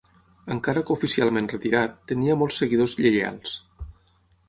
Encara que oficialment retirat, tenia molts seguidors lleials.